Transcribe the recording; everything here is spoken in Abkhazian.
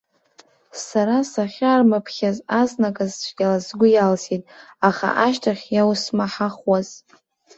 Сара сахьаармыԥхьаз азныказ цәгьала сгәы иалсит, аха ашьҭахь иаусмаҳахуаз.